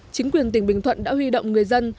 chính quyền tỉnh bình thuận đã huy động người dân